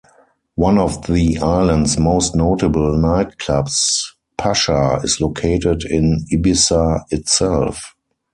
One of the island's most notable nightclubs, Pacha, is located in Ibiza itself.